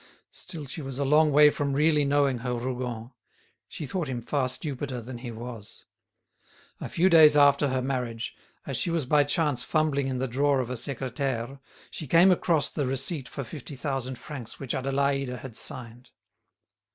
Still she was a long way from really knowing her Rougon; she thought him far stupider than he was. A few days after her marriage, as she was by chance fumbling in the drawer of a secretaire, she came across the receipt for fifty thousand francs which Adélaïde had signed.